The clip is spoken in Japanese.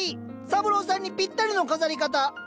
三郎さんにぴったりの飾り方。